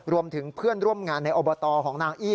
รวมถึงเพื่อนร่วมงานในอบตของนางอี้